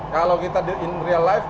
kalau kita in real life